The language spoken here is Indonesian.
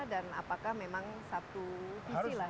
dan apakah memang satu visi lah